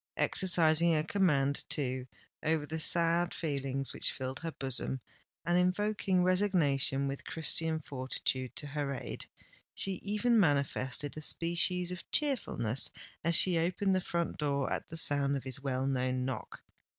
Exercising a command, too, over the sad feelings which filled her bosom, and invoking resignation with Christian fortitude to her aid, she even manifested a species of cheerfulness as she opened the front door at the sound of his well known knock.